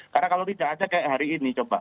karena kalau tidak ada kayak hari ini coba